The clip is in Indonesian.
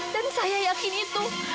dan saya yakin itu